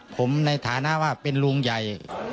ผมในฐานะว่าเป็นลุงใหญ่